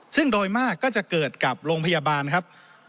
ซึ่งโดยมากก็จะเกิดกับโรงพยาบาลครับ